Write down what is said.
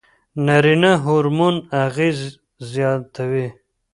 نارینه هورمون اغېز زیاتوي.